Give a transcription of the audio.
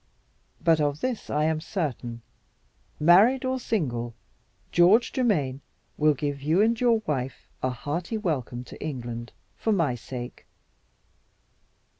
But of this I am certain: married or single, George Germaine will give you and your wife a hearty welcome to England, for my sake."